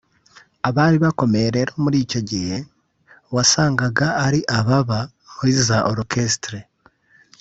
Abari bakomeye rero muri icyo gihe wasangaga ari ababaga muri za Orchestre